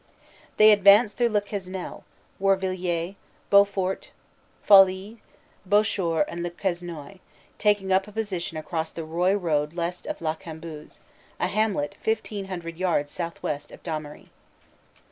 They advanced through Le Quesnel, Warvillers, Beaufort, Folies, Bouchoir and Le Quesnoy, taking up a posi tion across the Roye road west of La Cambuse, a hamlet fifteen hundred yards southwest of Damery.